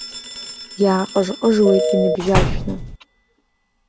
Иааҟыжҟыжуеит иныбжьаршәны.